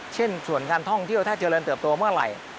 เช่นส่วนการท่องเที่ยวถ้าเจริญเติบโตเมื่อไหร่